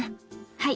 はい。